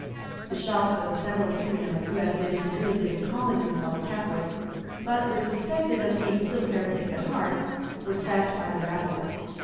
The shops of several Huguenots who had been dragooned into calling themselves Catholics, but were suspected of being still heretics at heart, were sacked by the rabble.